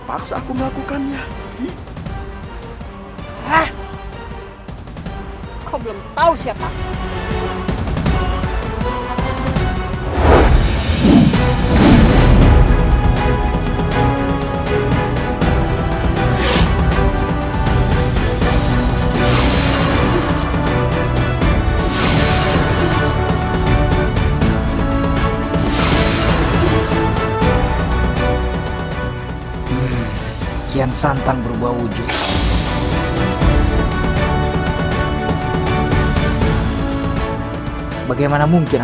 aku tidak mau berurusan dengan wanita